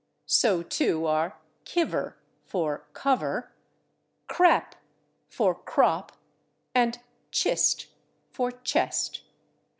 So, too, are /kivver/ for /cover/, /crap/ for /crop/, and /chist/ for /chest